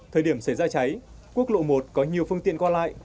thời điểm xảy ra cháy quốc lộ một có nhiều phương tiện qua lại